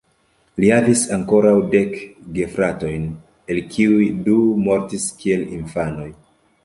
Li havis ankoraŭ dek gefratojn, el kiuj du mortis kiel infanoj.